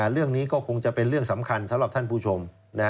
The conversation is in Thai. เรื่องนี้ก็คงจะเป็นเรื่องสำคัญสำหรับท่านผู้ชม